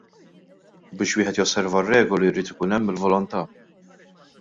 U biex wieħed josserva r-regoli jrid ikun hemm il-volontá.